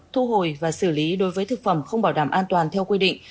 thu hồi và xử lý đối với thực phẩm không bảo đảm an toàn theo quy định